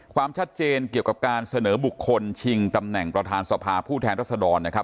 ความชัดเจนเกี่ยวกับการเสนอบุคคลชิงตำแหน่งประธานสภาผู้แทนรัศดรนะครับ